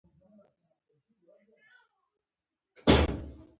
تنور د لرګي، څانګو یا خښتو له اوره ګټه اخلي